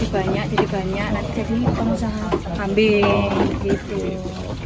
ini kan peternak ya namanya